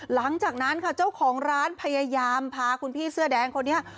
หลังจากนั้นค่ะเจ้าของร้านพยายามพาคุณพี่เสื้อแดงคนนี้